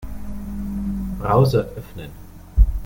Browser öffnen.